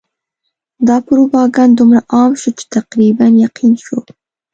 دا پروپاګند دومره عام شو چې تقریباً یقین شو.